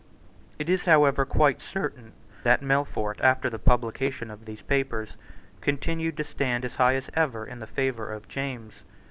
It is however quite certain that Melfort, after the publication of these papers, continued to stand as high as ever in the favour of James.